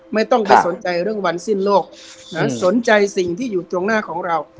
ไม่ต้องไปสนใจเรื่องวันสิ้นโลกสนใจสิ่งที่อยู่ตรงหน้าของเรา